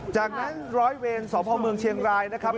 จากนั้นร้อยเวรสพเมืองเชียงรายนะครับ